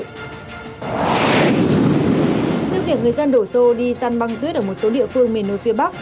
trước việc người dân đổ xô đi săn băng tuyết ở một số địa phương miền núi phía bắc